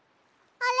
あれ？